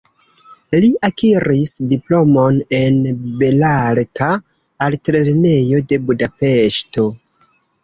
Li akiris diplomon en Belarta Altlernejo de Budapeŝto.